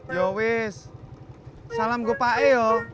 ya salam gue pak e